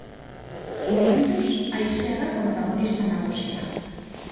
Momentuz haizea da protagonista nagusia.